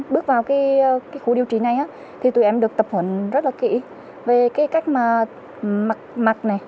bước vào cái khu điều trí này á thì tụi em được tập huấn rất là kỹ về cái cách mà mặc này